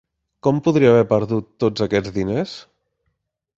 Com podria haver perdut tots aquests diners?